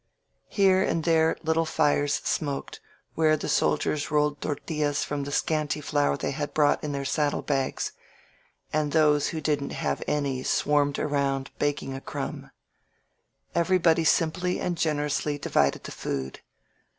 Here and there little fires smoked, where the soldiers rolled tortillas from the scanty flour they had brou^t in their saddle bags — and those who didn't have any swarmed around, begging a crumb. Everybody simply and generously divided the food.